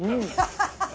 ハハハハ！